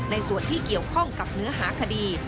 ในส่วนที่เกี่ยวข้องกับเนื้อหาคดี